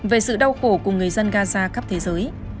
về sự đau khổ của người dân gaza khắp thế giới